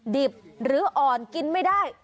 ดิบหรืออ่อนกินไม่ได้